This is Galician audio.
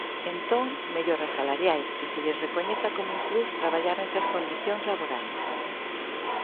Entón, melloras salariais, que se lles recoñeza como un plus traballar nesas condicións laborais.